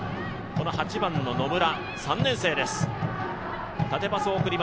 ８番の野村、３年生です。